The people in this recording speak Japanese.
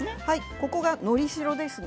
ここがのりしろですね。